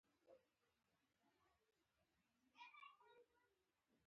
انسانیت د ټولو باورونو ګډ مرکز دی.